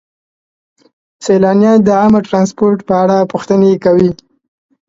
سیلانیان د عامه ترانسپورت په اړه پوښتنې کوي.